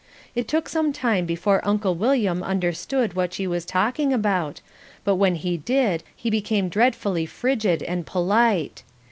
It took some time before Uncle William understood what she was talking about, but when he did he became dreadfully frigid and polite.